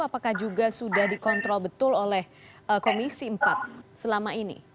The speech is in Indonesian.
apakah juga sudah dikontrol betul oleh komisi empat selama ini